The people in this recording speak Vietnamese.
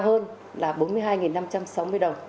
mệnh giá cao hơn là bốn mươi hai năm trăm sáu mươi đồng